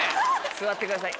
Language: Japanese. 座ってください。